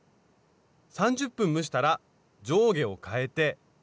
３０分蒸したら上下をかえて。